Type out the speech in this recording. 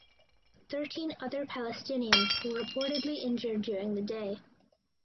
Thirteen other Palestinians were reportedly injured during the day.